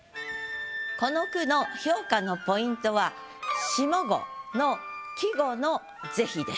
この句の評価のポイントは下五の季語の是非です。